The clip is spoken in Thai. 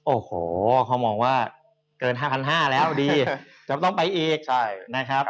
โอ้โหเขามองว่าเกิน๕๕๐๐แล้วดีจะต้องไปอีกนะครับ